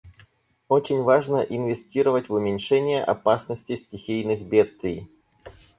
Очень важно инвестировать в уменьшение опасности стихийных бедствий.